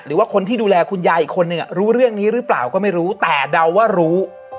หรือว่าคนที่ดูแลคุณยายอีกคนนึงรู้เรื่องนี้หรือเปล่าก็ไม่รู้แต่เดาว่ารู้